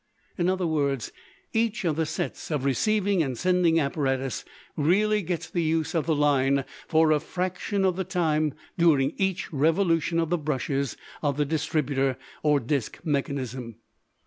In other words, each of the sets of receiving and sending apparatus really gets the use of the line for a fraction of the time during each revolution of the brushes of the distributer or disk mechanism.